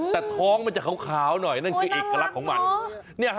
แต่ท้องมันจะขาวหน่อยนั่นคือเอกลักษณ์ของมัน